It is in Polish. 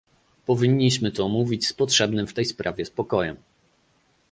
Powinniśmy to omówić z potrzebnym w tej sprawie spokojem